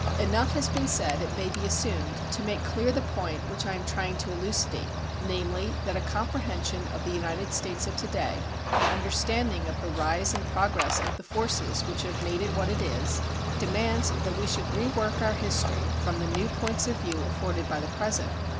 Enough has been said, it may be assumed, to make clear the point which I am trying to elucidate, namely that a comprehension of the United States of to day, an understanding of the rise and progress of the forces which have made it what it is, demands that we should rework our history from the new points of view afforded by the present.